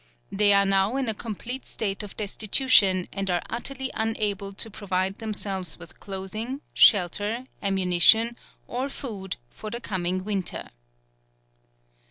They are now in a complete state of destitution, and are utterly unable to provide themselves with clothing, shelter, ammunition, or food for the coming winter."